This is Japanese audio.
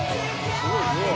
すごいすごい！